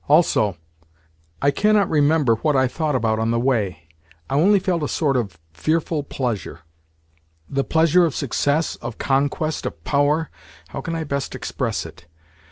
Also, I cannot remember what I thought about on the way. I only felt a sort of fearful pleasure—the pleasure of success, of conquest, of power (how can I best express it?).